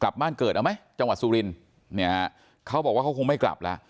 กลับบ้านเกิดเอาไหมจังหวัดสุรินเนี่ยฮะเขาบอกว่าเขาคงไม่กลับแล้ว